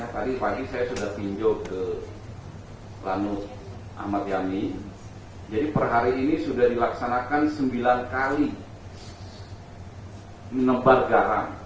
tadi pagi saya sudah tinjau ke lanut ahmad yani jadi per hari ini sudah dilaksanakan sembilan kali menebar garam